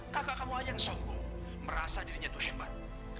kakak kamu aja yang sombong merasa dirinya itu hebat